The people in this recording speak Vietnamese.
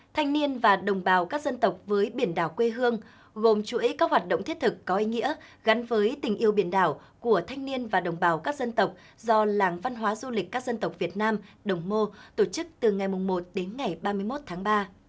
thanh niên và đồng bào các dân tộc với biển đảo quê hương gồm chuỗi các hoạt động thiết thực có ý nghĩa gắn với tình yêu biển đảo của thanh niên và đồng bào các dân tộc do làng văn hóa du lịch các dân tộc việt nam đồng mô tổ chức từ ngày một đến ngày ba mươi một tháng ba